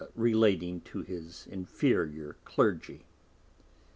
relating to his Inferiour Clergy.